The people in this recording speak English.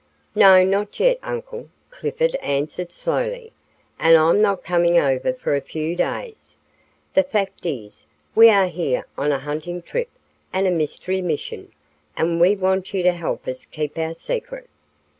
"No, not yet, uncle," Clifford answered, slowly. "And I'm not coming over for a few days. The fact is, we are here on a hunting trip and a mystery mission, and we want you to help us keep our secret.